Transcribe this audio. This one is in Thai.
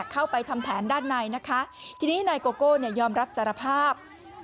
เข้าไปทำแผนด้านในนะคะทีนี้นายโกโก้เนี่ยยอมรับสารภาพ